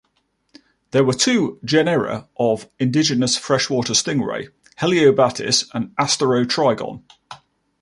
There were two genera of indigenous freshwater stingray, "Heliobatis" and "Asterotrygon".